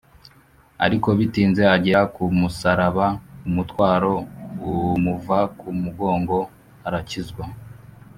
Ariko bitinze, agera ku musaraba, umutwaro umuva ku mugongo, arakizwa